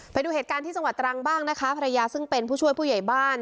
ไปดูเหตุการณ์ที่จังหวัดตรังบ้างนะคะภรรยาซึ่งเป็นผู้ช่วยผู้ใหญ่บ้าน